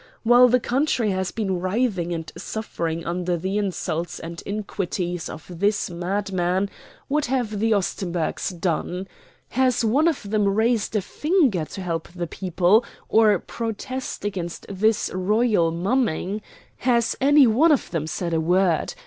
While the country has been writhing and suffering under the insults and iniquities of this madman, what have the Ostenburgs done? Has one of them raised a finger to help the people or protest against this royal mumming? Has any one of them said a word?